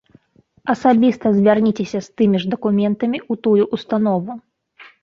Асабіста звярніцеся з тымі ж дакументамі ў тую ўстанову.